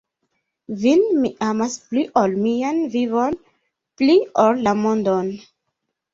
Vin mi amas pli ol mian vivon, pli ol la mondon.